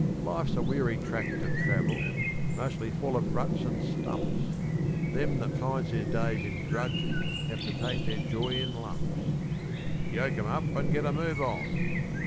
Life's a weary track to travel, mostly full of ruts and stumps: Them that spends their days in drudging have to take their joy in lumps. Yoke 'em up an' get a move on!